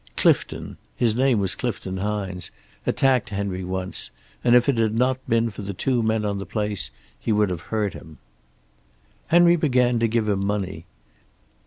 Clifton his name was Clifton Hines attacked Henry once, and if it had not been for the two men on the place he would have hurt him. "Henry began to give him money.